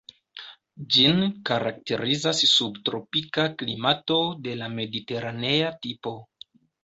Ĝin karakterizas subtropika klimato de la mediteranea tipo.